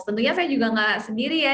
tentunya saya juga nggak sendiri ya